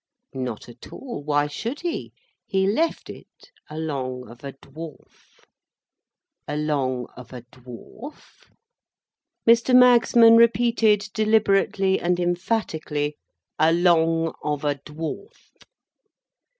Not at all; why should he? He left it, along of a Dwarf. Along of a Dwarf? Mr. Magsman repeated, deliberately and emphatically, Along of a Dwarf.